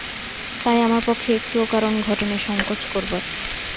তাই আমার পক্ষে একটুও কারণ ঘটে-নি সংকোচ করবার।